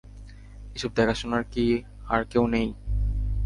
এসব দেখাশোনার কী আর কেউ নেই?